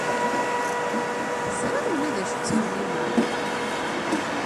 Teẓriḍ ula d acu i ttxemmimeɣ.